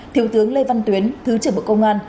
thiếu tướng lê văn tuyến thứ trưởng bộ công an